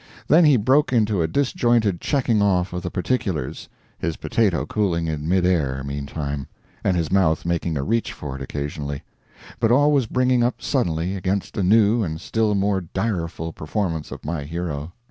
Then he broke into a disjointed checking off of the particulars his potato cooling in mid air meantime, and his mouth making a reach for it occasionally, but always bringing up suddenly against a new and still more direful performance of my hero.